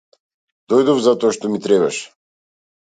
Дојдов затоа што ми требаш.